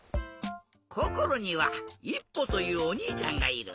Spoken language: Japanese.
こころにはいっぽというおにいちゃんがいる。